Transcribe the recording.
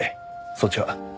そっちは？